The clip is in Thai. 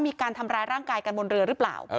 มีการทำร้ายร่างกายกันบนเรือหรือเปล่า